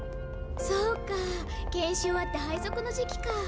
そうか研修終わって配属の時期か。